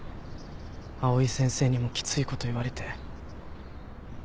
藍井先生にもきついこと言われて。